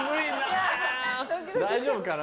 大丈夫かな。